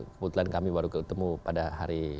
kebetulan kami baru ketemu pada hari